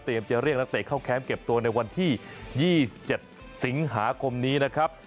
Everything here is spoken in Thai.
เตรียมจะเรียกนักเตะเข้าแคมป์เก็บตัวในวันที่ยี่สิบเจ็ดสิงหาคมนี้นะครับ